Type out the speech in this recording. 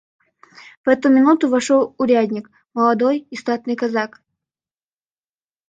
В эту минуту вошел урядник, молодой и статный казак.